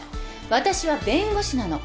私は弁護士なの。